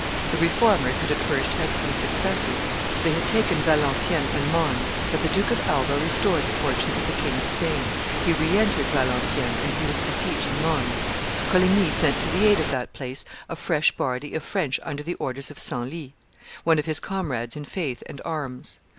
The Reformers had at first had some successes; they had taken Valenciennes and Mons; but the Duke of Alba restored the fortunes of the King of Spain; he re entered Valenciennes and he was besieging Mons. Coligny sent to the aid of that place a fresh body of French under the orders of Senlis, one of his comrades in faith and arms.